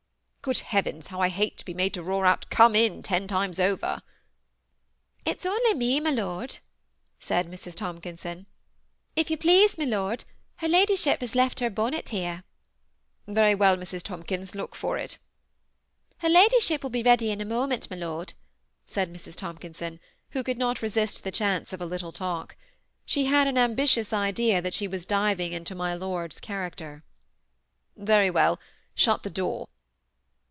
GU)od heavens, how I hate to be made to roar out * Come in ' ten times over !" It's only me, my lord," said Mrs. Tomkinson. " If you please, my lord, her ladyship has left her bonnet here." Very well, Mrs. Tomkins, look for it." " Her ladyship will be ready in a moment, my lord, said Mrs. Tomkinson, who could not resist the chanee of a little talk. She had an ambitious idea that she was diving into my lord's character. Very well ; shut the door."